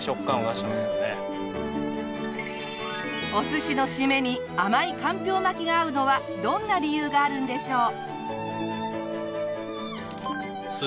お寿司の締めに甘いかんぴょう巻が合うのはどんな理由があるんでしょう？